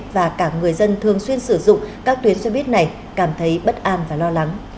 và cả người dân thường xuyên sử dụng các tuyến xe buýt này cảm thấy bất an và lo lắng